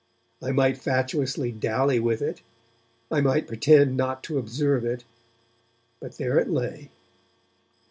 I might fatuously dally with it, I might pretend not to observe it, but there it lay.